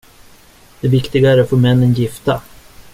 Det viktiga är att få männen gifta.